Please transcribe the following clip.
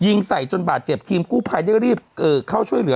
ยิงใส่จนบาดเจ็บทีมกู้ภัยได้รีบเข้าช่วยเหลือ